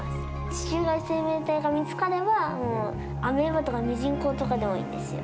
地球外生命体が見つかれば、アメーバとかミジンコとかでもいいんですよ。